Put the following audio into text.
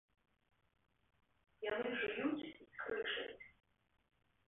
Яны жуюць і крышаць.